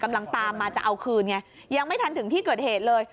กำลังตามมาจะเอาคืนไงยังไม่ทันถึงที่เกิดเหตุเลย